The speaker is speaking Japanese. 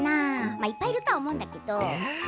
いっぱいいるとは思うんだけど。